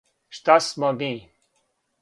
Шта смо ми.